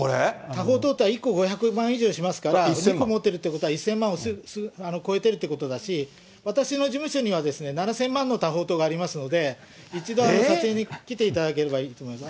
多宝塔って、１個５００万以上しますから、２個持ってるということは、１０００万超えてるってことだし、私の事務所にはですね、７０００万の多宝塔がありますので、一度、撮影に来ていただければいいと思います。